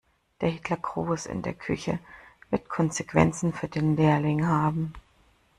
Der Hitlergruß in der Küche wird Konsequenzen für den Lehrling haben.